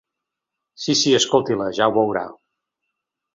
Sí, sí, escolti-la, ja ho veurà.